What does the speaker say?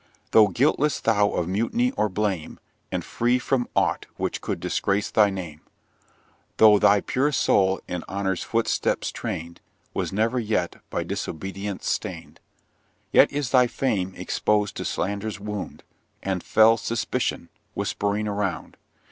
Though guiltless thou of mutiny or blame, And free from aught which could disgrace thy name; Though thy pure soul, in honour's footsteps train'd, Was never yet by disobedience stain'd; Yet is thy fame exposed to slander's wound, And fell suspicion whispering around.